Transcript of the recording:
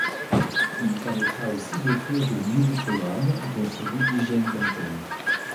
Il permettra aussi d'offrir de nouveaux programmes dont celui d'hygiène dentaire.